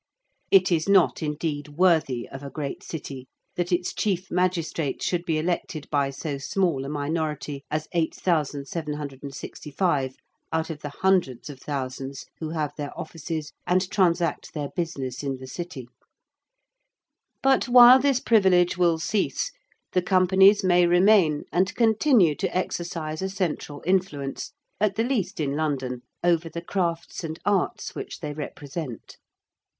It is not, indeed, worthy of a great City that its Chief Magistrate should be elected by so small a minority as 8,765 out of the hundreds of thousands who have their offices and transact their business in the City: but while this privilege will cease, the Companies may remain and continue to exercise a central influence, at the least in London, over the Crafts and Arts which they represent.